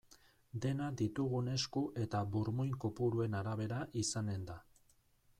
Dena ditugun esku eta burmuin kopuruen arabera izanen da.